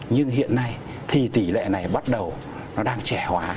nhưng hiện nay thì tỷ lệ này bắt đầu nó đang trẻ hóa